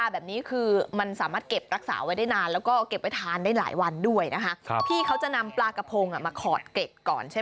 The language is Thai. แบบนี้คือมันสามารถเก็บรักษาไว้ได้นานแล้วก็เก็บไว้ทานได้หลายวันด้วยนะคะพี่เขาจะนำปลากระพงมาขอดเกร็ดก่อนใช่ไหม